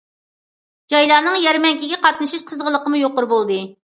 جايلارنىڭ يەرمەنكىگە قاتنىشىش قىزغىنلىقىمۇ يۇقىرى بولدى.